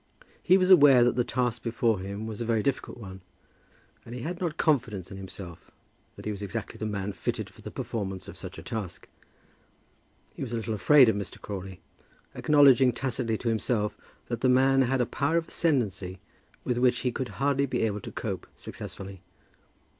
He was aware that the task before him was a very difficult one, and he had not confidence in himself, that he was exactly the man fitted for the performance of such a task. He was a little afraid of Mr. Crawley, acknowledging tacitly to himself that the man had a power of ascendancy with which he would hardly be able to cope successfully.